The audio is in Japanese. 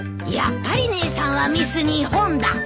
やっぱり姉さんはミス日本だ。